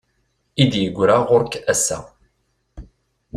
I d-yegra ɣur-k ass-a.